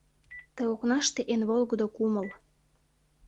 Ты окнаште эн волгыдо кумыл: